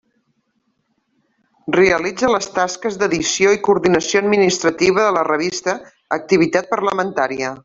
Realitza les tasques d'edició i coordinació administrativa de la revista Activitat parlamentària.